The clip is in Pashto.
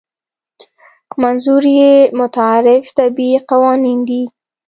منظور یې متعارف طبیعي قوانین دي.